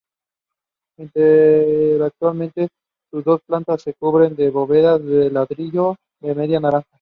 Internamente sus dos plantas se cubren con bóvedas de ladrillo de media naranja.